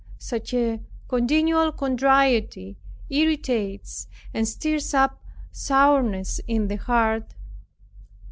Such a continual contrariety irritates and stirs up sourness in the heart.